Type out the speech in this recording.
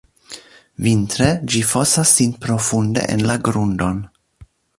Vintre ĝi fosas sin profunde en la grundon.